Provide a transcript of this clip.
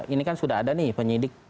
ini kan sudah ada nih penyidik